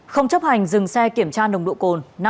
không chấp hành dừng xe kiểm tra nồng độ cồn